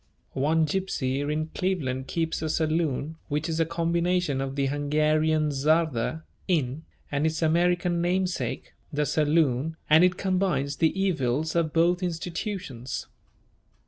One gypsy in Cleveland keeps a saloon which is a combination of the Hungarian "czarda" (inn) and its American namesake, the saloon, and it combines the evils of both institutions.